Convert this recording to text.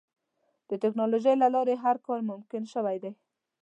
د ټکنالوجۍ له لارې هر کار ممکن شوی دی.